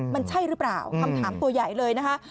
มันใช่หรือเปล่าคำถามตัวใหญ่เลยนะคะ